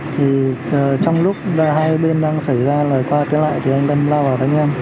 thì trong lúc hai bên đang xảy ra lời qua tiếng lại thì anh đâm lao vào đánh em